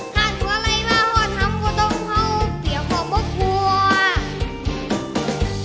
ข้างหัวไหล่มาหอดทำก็ต้องเผาเกี่ยวขอบบกพวก